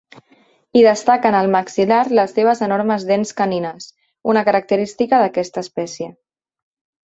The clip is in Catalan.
Hi destaquen al maxil·lar les seves enormes dents canines, una característica d'aquesta espècie.